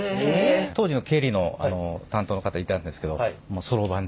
当時の経理の担当の方いたんですけどもうソロバンでね。